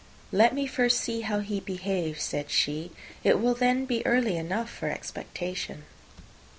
"Let me first see how he behaves," said she; "it will then be early enough for expectation."